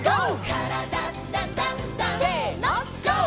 「からだダンダンダン」せのＧＯ！